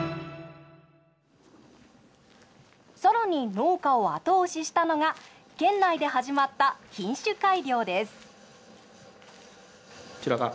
更に農家を後押ししたのが県内で始まった品種改良です。